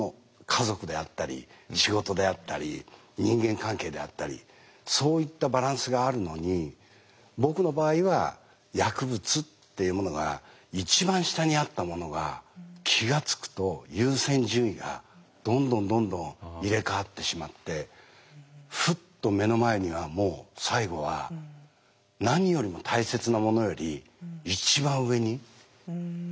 家族であったり仕事であったり人間関係であったりそういったバランスがあるのに僕の場合は薬物っていうものが一番下にあったものが気が付くと優先順位がどんどんどんどん入れ代わってしまってふっと目の前にはもう最後は何よりも大切なものより一番上にいってしまう。